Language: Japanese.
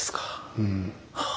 うん。